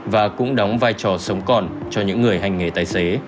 và cũng đóng vai trò sống còn cho những người hành nghề tài xế